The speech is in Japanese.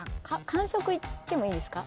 「官職」いってもいいですか？